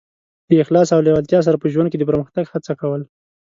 د اخلاص او لېوالتیا سره په ژوند کې د پرمختګ هڅه کول.